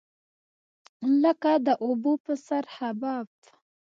لکه د اوبو په سر حباب.